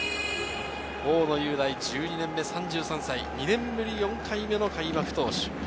大野雄大１２年目３３歳、２年ぶり４回目の開幕投手。